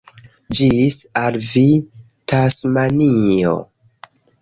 Ĝis al vi, Tasmanio!